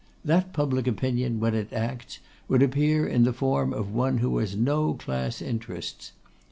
That public opinion, when it acts, would appear in the form of one who has no class interests.